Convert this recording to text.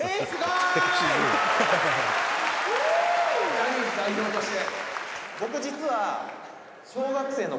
「ジャニーズ代表として」